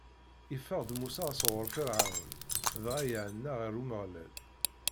Iffeɣ-d Musa sɣur Ferɛun, dɣa iɛenna ɣer Umeɣlal.